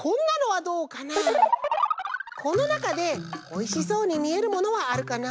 このなかでおいしそうにみえるものはあるかな？